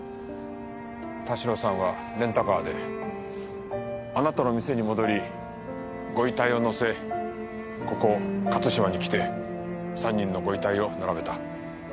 田代さんはレンタカーであなたの店に戻りご遺体を乗せここ勝島に来て３人のご遺体を並べた。